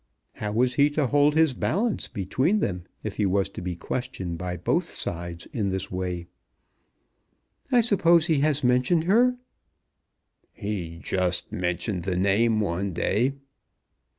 How was he to hold his balance between them if he was to be questioned by both sides in this way? "I suppose he has mentioned her?" "He just mentioned the name one day."